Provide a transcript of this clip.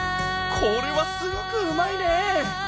これはすごくうまいね！